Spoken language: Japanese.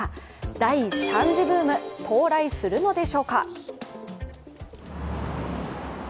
第３次ブーム、到来するのでしょうか。